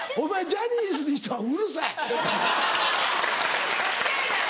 ジャニーズにしてはうるさい！